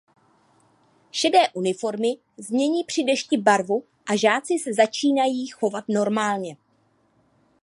Šedé uniformy změní při dešti barvu a žáci se začínají chovat normálně.